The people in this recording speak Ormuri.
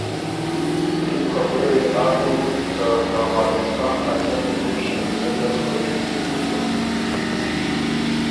دیم خبُره يې آ ګۀ بُک که ته وارث خان ا څمی بُډ شکیلۀ زر خوېڒی سُک بُکِن۔